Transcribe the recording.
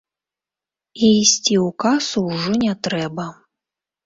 І ісці ў касу ўжо не трэба.